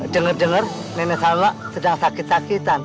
dengar dengar nenek saya sedang sakit sakitan